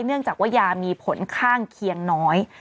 เนื่องจากว่ายามีผลข้างเคียงน้อย